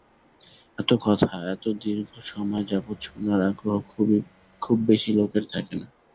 এত কথা এত দীর্ঘ সময় যাবত শোনার আগ্রহ খুব বেশি লোকের থাকে না।